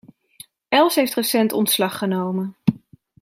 Els heeft recent ontslag genomen.